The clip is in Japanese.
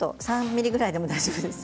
３ミリぐらいでも大丈夫です。